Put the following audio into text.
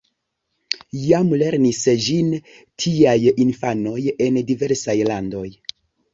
Jam lernis ĝin tiaj infanoj en diversaj landoj.